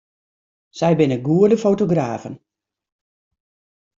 Sy binne goede fotografen.